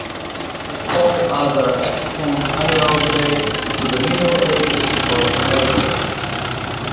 All other extant manuals date to the Middle Ages or later.